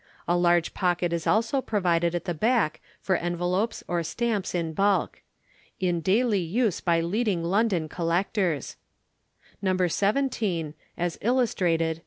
A large pocket is also provided at the back for Envelopes or Stamps in bulk. In daily use by leading London Collectors. No. 17. As illustrated.